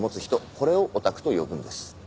これをオタクと呼ぶんです。